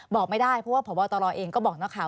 บอกไม่ได้เพราะว่าพบตรเองก็บอกนักข่าว